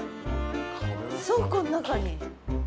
倉庫の中に。